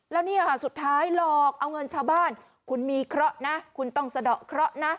แล้วเนี่ยสุดท้ายหลอกเอาเงินชาวบ้านคุณมีเคราะห์นะคุณต้องสะดอกเคราะห์นะ